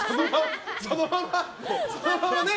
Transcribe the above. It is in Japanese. そのままね。